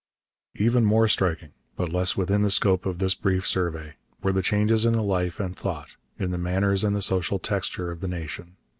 Even more striking, but less within the scope of this brief survey, were the changes in the life and thought, in the manners and the social texture of the nation.